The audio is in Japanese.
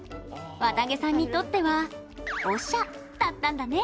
わたげさんにとってはオシャだったんだね！